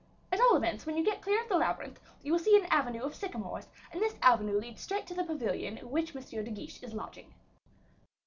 at all events, when you get clear of the labyrinth, you will see an avenue of sycamores, and this avenue leads straight to the pavilion in which M. de Guiche is lodging."